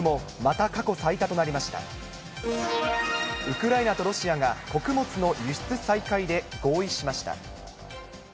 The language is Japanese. ウクライナとロシアが穀物の輸出再開で合意しました。